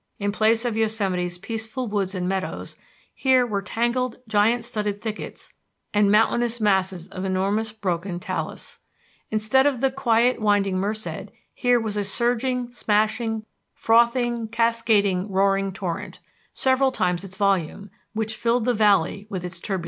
In place of Yosemite's peaceful woods and meadows, here were tangled giant studded thickets and mountainous masses of enormous broken talus. Instead of the quiet winding Merced, here was a surging, smashing, frothing, cascading, roaring torrent, several times its volume, which filled the valley with its turbulence.